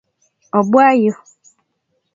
Obwa yu.